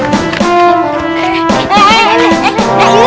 kalian mau ngapain